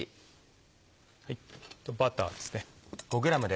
バターですね。